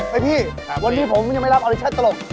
พี่วันนี้ผมยังไม่รับออริชั่นตลก